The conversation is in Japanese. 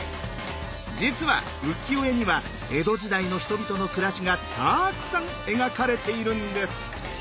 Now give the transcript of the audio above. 実は浮世絵には江戸時代の人々の暮らしがたくさん描かれているんです。